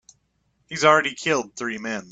He's already killed three men.